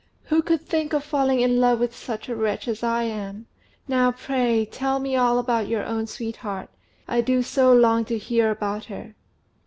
Who could think of falling in love with such a wretch as I am? Now, pray tell me all about your own sweetheart: I do so long to hear about her."